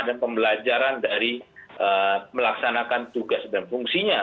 dan pembelajaran dari melaksanakan tugas dan fungsinya